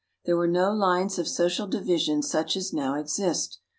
There were no lines of social division such as now exist.